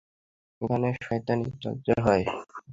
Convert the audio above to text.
এখানে শয়তানির চর্চা হয়।